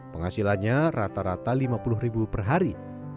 penghasilannya rata rata lima puluh ribu per hari